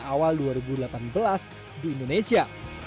awal dua ribu delapan belas di indonesia